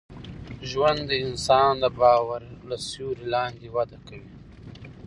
ژوند د انسان د باور له سیوري لاندي وده کوي.